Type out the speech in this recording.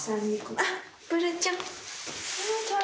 あっ、ブルーちゃん。